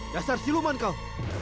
dasar siluman kau